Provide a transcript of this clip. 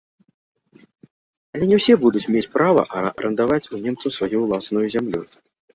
Але не ўсе будуць мець права арандаваць у немцаў сваю ўласную зямлю.